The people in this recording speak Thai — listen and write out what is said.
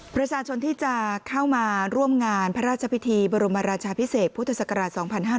ประชาชนที่จะเข้ามาร่วมงานพระราชพิธีบรมราชาพิเศษพุทธศักราช๒๕๕๙